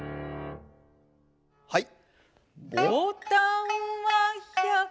はい。